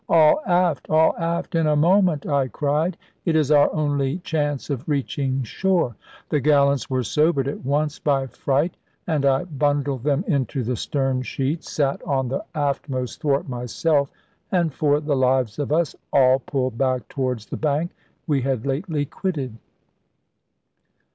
"All aft, all aft in a moment!" I cried; "it is our only chance of reaching shore." The gallants were sobered at once by fright, and I bundled them into the stern sheets, sat on the aftmost thwart myself, and for the lives of us all pulled back towards the bank we had lately quitted.